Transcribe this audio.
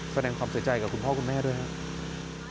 แสดงความเสียใจกับคุณพ่อคุณแม่ด้วยครับ